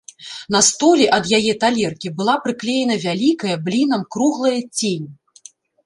На столі ад яе талеркі была прыклеена вялікая, блінам, круглая цень.